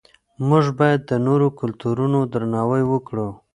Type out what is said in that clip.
موږ باید د نورو کلتورونو درناوی وکړو.